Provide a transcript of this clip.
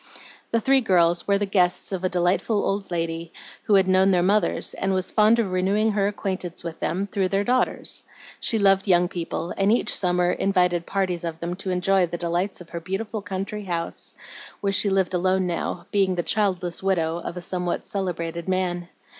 The three girls were the guests of a delightful old lady, who had known their mothers and was fond of renewing her acquaintance with them through their daughters. She loved young people, and each summer invited parties of them to enjoy the delights of her beautiful country house, where she lived alone now, being the childless widow of a somewhat celebrated man.